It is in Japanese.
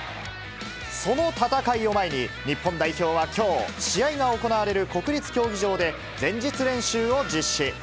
その戦いを前に、日本代表はきょう、試合が行われる国立競技場で、前日練習を実施。